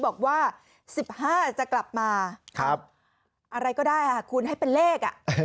บอกว่า๑๕จะกลับมาอะไรก็ได้คุณให้เป็นเลข